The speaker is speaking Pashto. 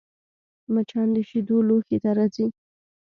مچان د شیدو لوښي ته راځي